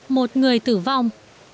một người tử vong